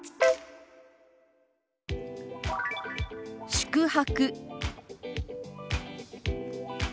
「宿泊」。